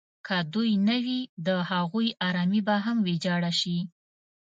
که دوی نه وي د هغوی ارامي به هم ویجاړه شي.